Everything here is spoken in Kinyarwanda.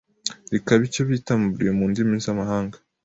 rikaba icyo bita embriyon mu ndimi z’amahanga,